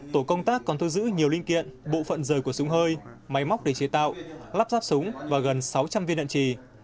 tổ công tác còn thu giữ nhiều linh kiện bộ phận rời của súng hơi máy móc để chế tạo lắp ráp súng và gần sáu trăm linh viên đạn trì